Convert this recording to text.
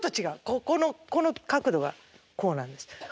ここのこの角度がこうなんです。